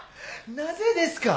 なぜですか？